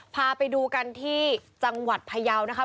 พาไปดูกันที่จังหวัดพยาวนะครับ